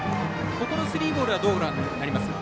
ここのスリーボールはどうご覧になりますか？